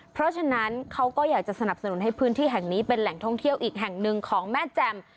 เพราะฉะนั้นเขาก็อยากจะสนับสนุนให้พื้นที่แห่งนี้เป็นแหล่งท่องเที่ยวอีกแห่งหนึ่งของแม่แจ่ม